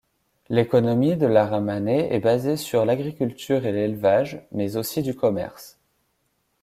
L'économie de Laramanaye est basée sur l'agriculture et l'élevage, mais aussi du commerce.